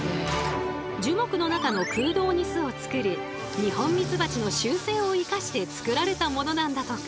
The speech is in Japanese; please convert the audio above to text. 樹木の中の空洞に巣を作るニホンミツバチの習性をいかして作られたものなんだとか。